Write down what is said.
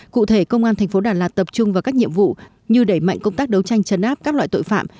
cụ thể công an thành phố đà lạt tập trung vào các nhiệm vụ như đẩy mạnh công tác đấu tranh chấn áp các loại tội phạm